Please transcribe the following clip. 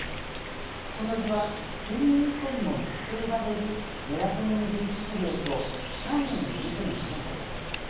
この図は睡眠ホルモンと呼ばれるメラトニンの分泌量と体温のリズムの変化です。